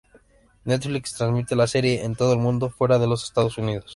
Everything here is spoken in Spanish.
Netflix transmite la serie en todo el mundo fuera de los Estados Unidos.